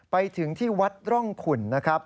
ไปถึงที่วัดร่องขุนนะครับ